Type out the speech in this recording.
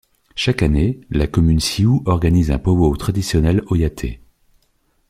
Chaque année, la communauté Sioux organise un pow-wow traditionnel Oyate.